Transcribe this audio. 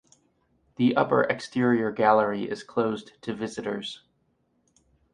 The upper exterior gallery is closed to visitors.